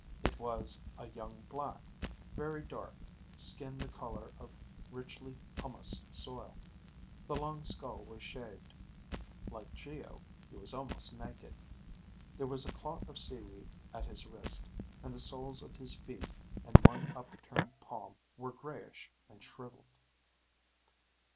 It was a young black, very dark, skin the color of richly humused soil. The long skull was shaved. Like Geo, he was almost naked. There was a clot of seaweed at his wrist, and the soles of his feet and one up turned palm were grayish and shriveled.